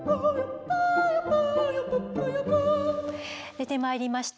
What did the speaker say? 出てまいりました